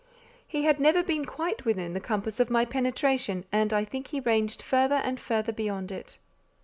He had never been quite within the compass of my penetration, and I think he ranged farther and farther beyond it.